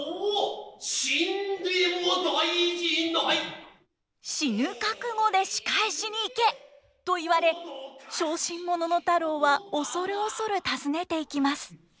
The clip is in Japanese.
オオ死ぬ覚悟で仕返しに行けと言われ小心者の太郎は恐る恐る訪ねていきます。